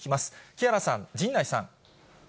木原さん、陣内さん。